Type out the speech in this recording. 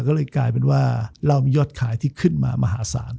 ก็เลยกลายเป็นว่าเรามียอดขายที่ขึ้นมามหาศาล